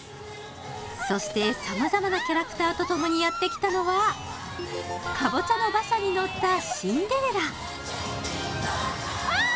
そしてさまざまなキャラクターとともにやってきたのはかぼちゃの馬車に乗ったシンデレラわー！